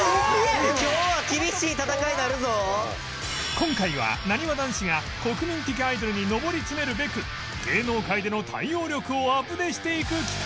今回はなにわ男子が国民的アイドルに上り詰めるべく芸能界での対応力をアプデしていく企画！